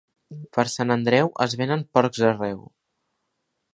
Per Sant Andreu es venen porcs arreu.